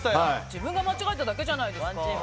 自分が間違えただけじゃないですか。